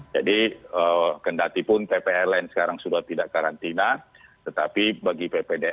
jadi kendatipun ppln sekarang sudah tidak karantina tetapi bagi ppdn ada jaratan yang diatur